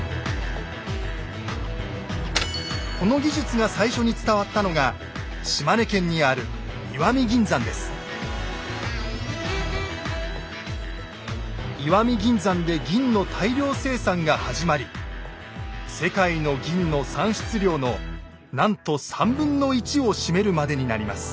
この技術が最初に伝わったのが石見銀山で銀の大量生産が始まり世界の銀の産出量のなんとを占めるまでになります。